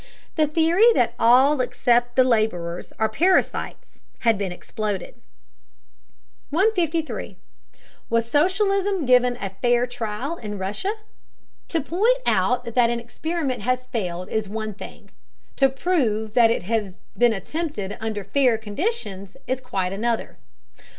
The theory that all except the laborers are parasites had been exploded. 153. WAS SOCIALISM GIVEN A FAIR TRAIL IN RUSSIA? To point out that an experiment has failed is one thing; to prove that it has been attempted under fair conditions is quite another.